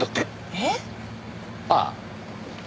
えっ？あっ。